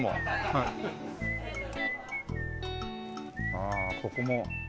ああここも。